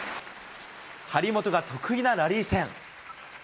張本が得意なラリー戦。